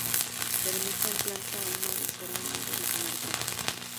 Ermita en planta de una sola nave alargada.